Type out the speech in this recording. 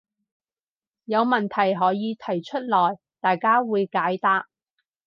有問題可以提出來，大家會解答